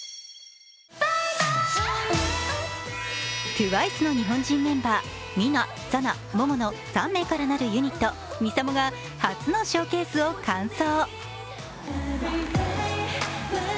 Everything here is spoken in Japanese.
ＴＷＩＣＥの日本人メンバーＭＩＮＡ、ＳＡＮＡ、ＭＯＭＯの３名から成るユニット・ＭＩＳＡＭＯが初のショーケースを完走。